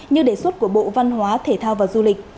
như đề xuất của bộ văn hóa thể thao và du lịch